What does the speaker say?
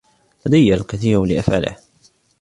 لدي الكثير لأفعله.